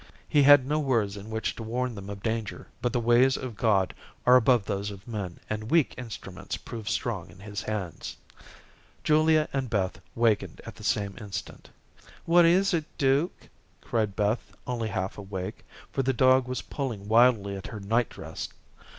He had no words in which to warn them of danger, but the ways of God are above those of men, and weak instruments prove strong in His hands. Julia and Beth wakened at the same instant. "What is it, Duke?" cried Beth only half awake, for the dog was pulling wildly at her night dress.